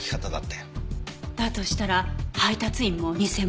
だとしたら配達員も偽者？